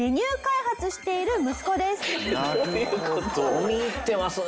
込み入ってますね。